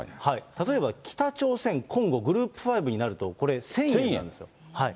例えば北朝鮮、コンゴ、グループ５になると、これ、１０００円なんですよ。